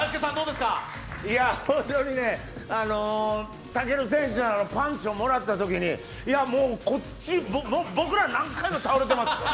本当に、武尊選手のパンチをもらったときにいや、もうこっち僕ら何回も倒れてます。